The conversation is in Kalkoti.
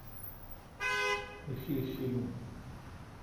می ݭیݭ ݭیلون۔